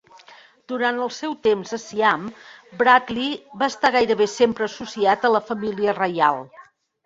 Durant el seu temps a Siam, Bradley va estar gairebé sempre associat a la família reial.